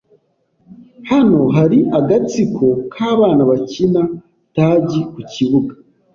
Hano hari agatsiko k'abana bakina tagi ku kibuga.